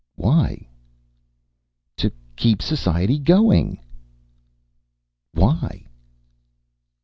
"Why?" "To keep society going." "Why?"